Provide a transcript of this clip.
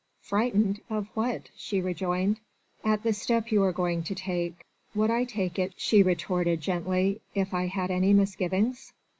"Frightened? Of what?" she rejoined. "At the step you are going to take?" "Would I take it," she retorted gently, "if I had any misgivings?"